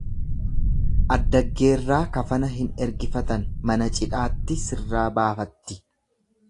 Addaggeerraa kafana hin ergifatan mana cidhaatti sirraa baafatti.